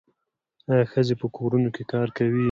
آیا ښځې په کورونو کې کار کوي؟